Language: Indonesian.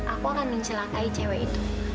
aku akan mencelakai cewek itu